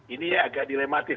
ini ya agak dilematis